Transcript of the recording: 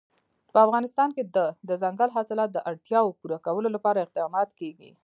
په افغانستان کې د دځنګل حاصلات د اړتیاوو پوره کولو لپاره اقدامات کېږي.